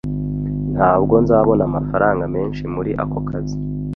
Ntabwo nzabona amafaranga menshi muri ako kazi.